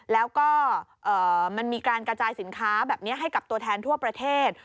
แล้วก็มันมีการกระจายสินค้าแบบนี้ให้กับตัวแทนทั่วประเทศ